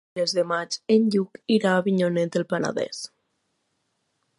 El vint-i-tres de maig en Lluc anirà a Avinyonet del Penedès.